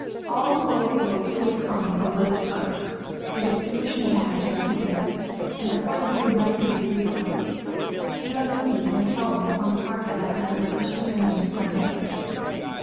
All wore over their coats or armour a white scarf, the distinguishing badge of the Huguenots; and the horsemen were divided into three bodies. De la Noue and his following formed part of that under the personal command of Conde.